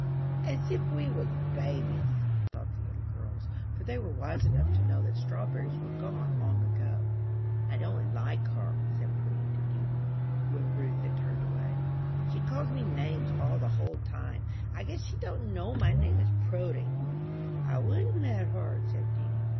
"As if we was babies," thought the little girls, for they were wise enough to know that strawberries were gone long ago. "I don't like her," said Prudy to Dedy, when Ruth had turned away; "she calls me names all the whole time. I guess she don't know my name is Prudy." "I wouldn't let her," said Dedy.